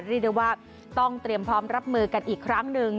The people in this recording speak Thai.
เรียกได้ว่าต้องเตรียมพร้อมรับมือกันอีกครั้งหนึ่ง